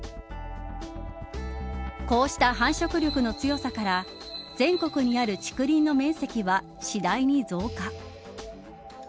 こうした繁殖力の強さから全国にある竹林の面積は次第に増加。